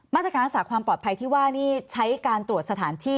มาตรการรักษาความปลอดภัยที่ว่านี่ใช้การตรวจสถานที่